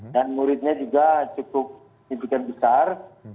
dan muridnya juga cukup kebutuhan besar